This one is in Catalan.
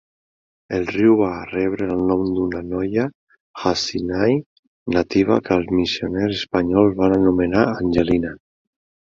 El riu va rebre el nom d'una noia hasinai nativa que els missioners espanyols van anomenar Angelina.